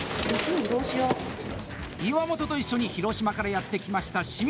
岩本と一緒に広島からやって来ました清水。